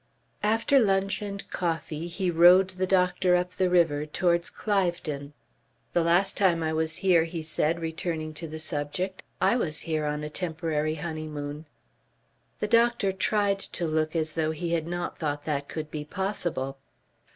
After lunch and coffee he rowed the doctor up the river towards Cliveden. "The last time I was here," he said, returning to the subject, "I was here on a temporary honeymoon." The doctor tried to look as though he had not thought that could be possible.